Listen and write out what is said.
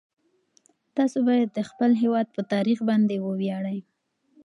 تاسو باید د خپل هیواد په تاریخ باندې وویاړئ.